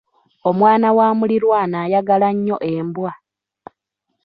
Omwana wa muliraanwa ayagala nnyo embwa.